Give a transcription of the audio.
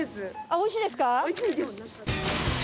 おいしいです。